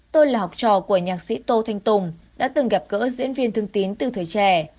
tôi là học trò của nhạc sĩ tô thanh tùng đã từng gặp gỡ diễn viên thương tín từ thời trẻ